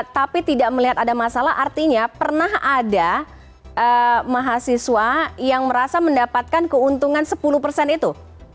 tapi tidak melihat ada masalah artinya pernah ada mahasiswa yang merasa mendapatkan keuntungan sepuluh persen itu